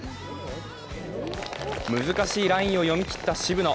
難しいラインを読み切った渋野。